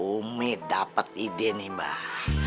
umi dapet ide nih beh